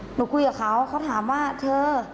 หนูคุยกับเขาเขาถามว่าเธอ